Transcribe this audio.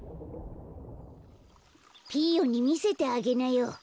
ピーヨンにみせてあげなよ。